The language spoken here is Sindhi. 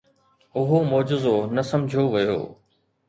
اهو معجزو نه سمجهيو ويو.